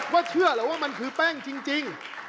เชื่อเหรอว่ามันคือแป้งจริง